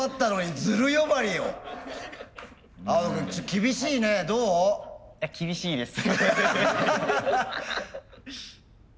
厳しいです。